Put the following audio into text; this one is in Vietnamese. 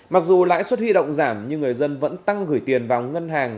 mặc dù lãi suất huy động giảm nhưng người dân vẫn tăng gửi tiền vào ngân hàng